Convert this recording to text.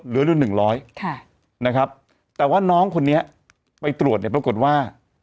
เหลืออยู่หนึ่งร้อยค่ะนะครับแต่ว่าน้องคนนี้ไปตรวจเนี่ยปรากฏว่า